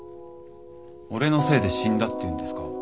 俺のせいで死んだって言うんですか？